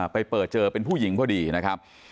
ไปเปิดเจอเป็นผู้หญิงพอดีนะครับ